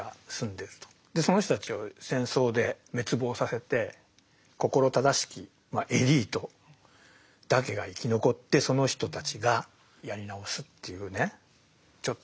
その人たちを戦争で滅亡させて心正しきエリートだけが生き残ってその人たちがやり直すというねちょっとねイラッとします。